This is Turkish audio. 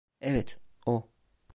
Evet, o.